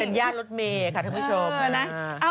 เป็นญาติรถเมล็ดค่ะทุกผู้ชม